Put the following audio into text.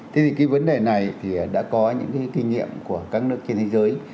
thế thì cái vấn đề này thì đã có những cái kinh nghiệm của các nước trên thế giới